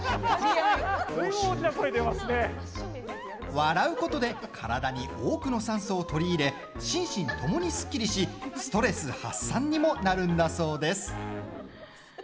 笑うことで体に多くの酸素を取り入れ心身ともにすっきりしストレス発散にもなるんだそうです。